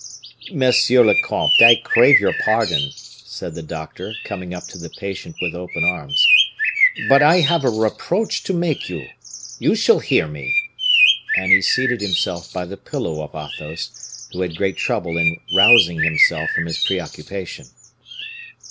"Monsieur le comte, I crave your pardon," said the doctor, coming up to the patient with open arms; "but I have a reproach to make you you shall hear me." And he seated himself by the pillow of Athos, who had great trouble in rousing himself from his preoccupation.